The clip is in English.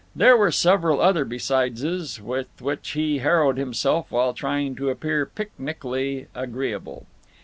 There were several other besideses with which he harrowed himself while trying to appear picnically agreeable.